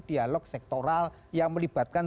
dialog sektoral yang melibatkan